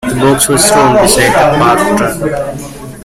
The box was thrown beside the parked truck.